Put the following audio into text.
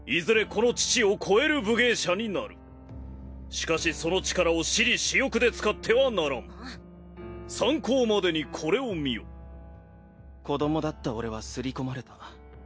この父を超える武芸者になるしかしその力を私利私欲で使ってはなうん参考までにこれを見よ子どもだった俺は刷り込まれた。